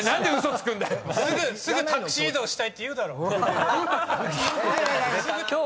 すぐ「タクシー移動したい」って言うだろ。